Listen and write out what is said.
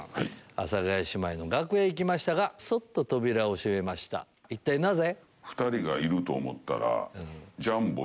阿佐ヶ谷姉妹の楽屋へ行きましたがそっと扉を閉めました一体なぜ？